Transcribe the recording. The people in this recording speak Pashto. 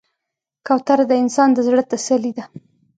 کوتره د انسان د زړه تسلي ده.